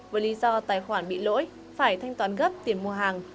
với lý do tài khoản bị lỗi phải thanh toán gấp tiền mua hàng